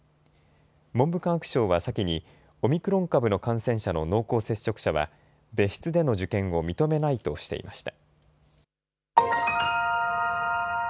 文部科学省は先にオミクロン株の感染者の濃厚接触者は別室での受験を認めないとしていました。